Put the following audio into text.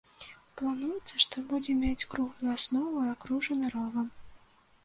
Плануецца, што будзе мець круглую аснову і акружаны ровам.